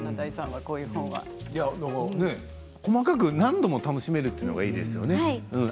細かく何度も楽しめるというのがいいですね。